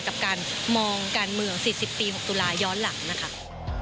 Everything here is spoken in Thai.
กับการมองการเมือง๔๐ปี๖ตุลาย้อนหลังนะคะ